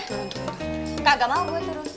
kakak gak mau gue turun